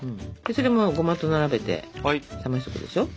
それもゴマと並べて冷ましておくでしょ。